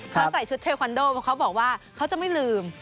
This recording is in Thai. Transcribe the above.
เขาใส่ชุดเทควันโดเพราะเขาบอกว่าเขาจะไม่ลืม